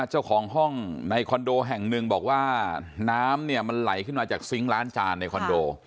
เจ้าของห้องในคอนโดแห่งหนึ่งบอกว่าน้ำเนี่ยมันไหลขึ้นมาจากซิงค์ล้านจานในคอนโด